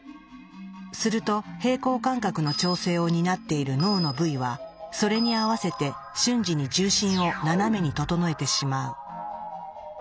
すると平衡感覚の調整を担っている脳の部位はそれに合わせて瞬時に重心を斜めに整えてしまう。